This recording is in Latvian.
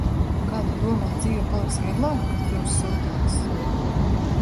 Kā tu domā, dzīve paliks vieglāka, kad kļūs siltāks?